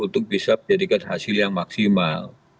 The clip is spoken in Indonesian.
untuk bisa menjadikan hasil yang maksimal